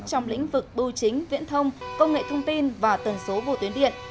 trong lĩnh vực bưu chính viễn thông công nghệ thông tin và tần số vô tuyến điện